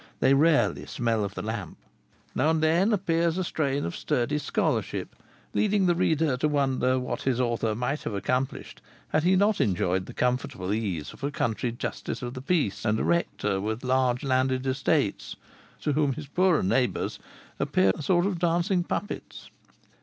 They rarely smell of the lamp. Now and then appears a strain of sturdy scholarship, leading the reader to wonder what his author might have accomplished had he not enjoyed the comfortable ease of a country justice of the peace, and a rector with large landed estates, to whom his poorer neighbors appear a sort of dancing puppets.